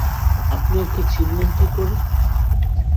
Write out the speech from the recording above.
আপনি ওকে চিনলেন কি কোরে?